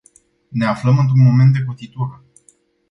Ne aflăm într-un moment de cotitură.